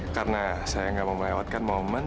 karena saya nggak mau melewatkan momen